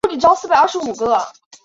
两人育有三个子女。